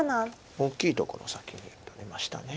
大きいところを先に取りました。